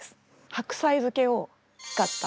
白菜漬けを使った。